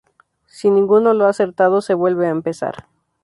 Si ninguno lo ha acertado, se vuelve a empezar.